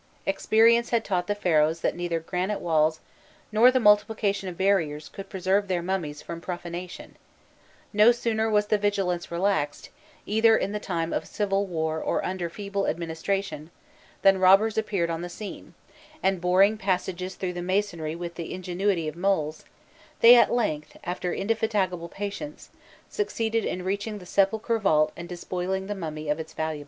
Experience had taught the Pharaohs that neither granite walls nor the multiplication of barriers could preserve their mummies from profanation: no sooner was vigilance relaxed, either in the time of civil war or under a feeble administration, than robbers appeared on the scene, and boring passages through the masonry with the ingenuity of moles, they at length, after indefatigable patience, succeeded in reaching the sepulchral vault and despoiling the mummy of its valuables.